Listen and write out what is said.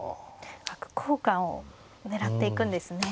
角交換を狙っていくんですね。